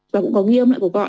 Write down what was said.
và cũng có nghiêm lại của họ